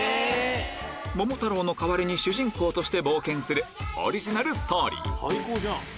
桃太郎の代わりに主人公として冒険するオリジナルストーリー